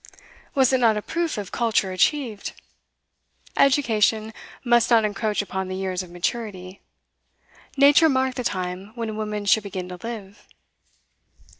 Was it not a proof of culture achieved? Education must not encroach upon the years of maturity. Nature marked the time when a woman should begin to live.